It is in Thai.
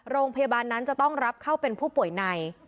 โรงพยาบาลนั้นจะต้องรับเข้าเป็นผู้ป่วยใน